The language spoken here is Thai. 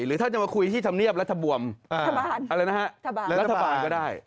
หรือถ้าจะมาคุยที่ธรรมเนียบรัฐบาลอะไรนะฮะรัฐบาลก็ได้